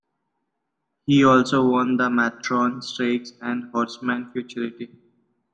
He also won the Matron Stakes and Horseman Futurity.